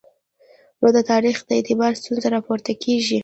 نو د تاریخ د اعتبار ستونزه راپورته کېږي.